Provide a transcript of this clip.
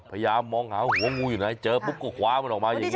พยายามมองหาหัวงูอยู่ไหนเจอปุ๊บก็คว้ามันออกมาอย่างนี้